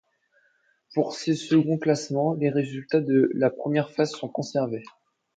Pour ces seconds classements, les résultats de la première phase sont conservés.